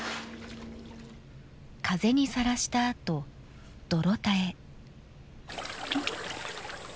風にさらしたあと、泥田へ。